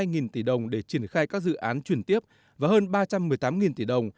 gần một trăm linh hai tỷ đồng để triển khai các dự án truyền tiếp và hơn ba trăm một mươi tám tỷ đồng